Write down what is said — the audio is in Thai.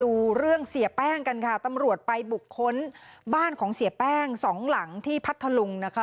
ดูเรื่องเสียแป้งกันค่ะตำรวจไปบุคคลบ้านของเสียแป้งสองหลังที่พัทธลุงนะคะ